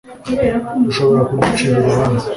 ushobora kuducira urubanza